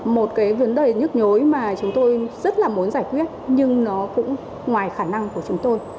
một cái vấn đề nhức nhối mà chúng tôi rất là muốn giải quyết nhưng nó cũng ngoài khả năng của chúng tôi